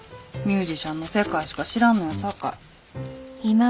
ミュージシャンの世界しか知らんのやさかい。